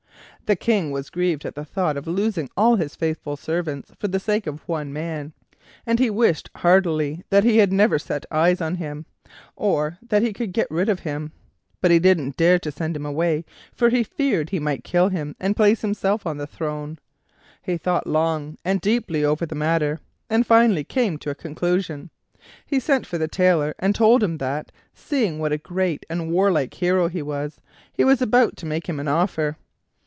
The King was grieved at the thought of losing all his faithful servants for the sake of one man, and he wished heartily that he had never set eyes on him, or that he could get rid of him. But he didn't dare to send him away, for he feared he might kill him and place himself on the throne. He thought long and deeply over the matter, and finally came to a conclusion. He sent for the Tailor and told him that, seeing what a great and warlike hero he was, he was about to make him an offer.